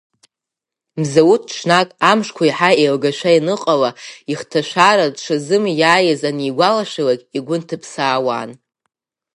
Мзауҭ ҽнак, амшқәа еиҳа еилгашәа ианыҟала, ихҭашәара дшазымиааиз анааигәалашәалакь, игәы нҭыԥсаауан.